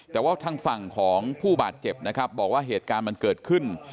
แต่ว่าทางฝั่งของผู้บาดเจ็บนะครับบอกว่าเหตุการณ์มันเกิดขึ้น